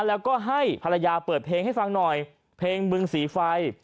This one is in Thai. แล้วก็ให้ภรรยาเปิดเพลงให้ฟังหน่อยเพลงบึงสีไฟ